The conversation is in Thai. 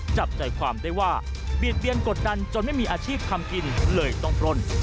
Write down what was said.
จับใจความได้ว่าเบียดเบียนกดดันจนไม่มีอาชีพทำกินเลยต้องปล้น